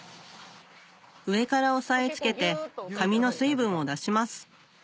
上から押さえ付けて紙の水分を出します